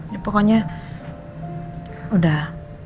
ya pokoknya udah